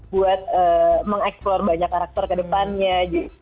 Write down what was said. buat mengeksplore banyak karakter ke depannya